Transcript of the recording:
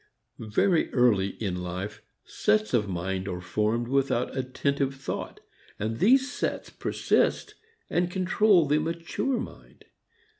Very early in life sets of mind are formed without attentive thought, and these sets persist and control the mature mind.